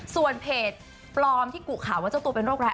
ส่วนเพจปลอมที่กุข่าวว่าเจ้าตัวเป็นโรคร้าย